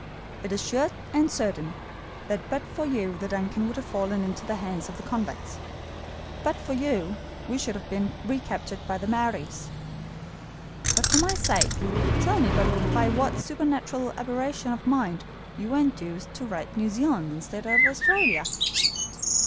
It is sure and certain that but for you the DUNCAN would have fallen into the hands of the convicts; but for you we should have been recaptured by the Maories. But for my sake tell me by what supernatural aberration of mind you were induced to write New Zealand instead of Australia?"